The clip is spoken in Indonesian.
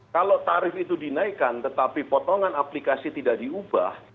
kalau tarif itu dinaikkan tetapi potongan aplikasi tidak diubah